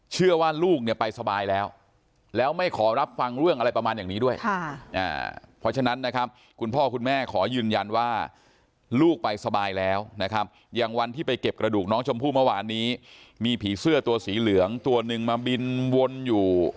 เชื่อว่าลูกไปสบายแล้วแล้วไม่ขอรับฟังเรื่องอะไรประมาณอย่างนี้ด้วย